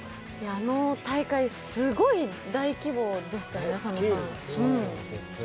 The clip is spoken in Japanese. あの大会、すごい大規模でしたよね。